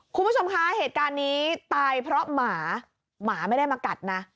คุณผู้ชมคะเหตุการณ์นี้ตายเพราะหมาหมาไม่ได้มากัดนะ